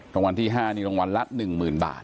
รางวัลที่๕นี่รางวัลละ๑๐๐๐บาท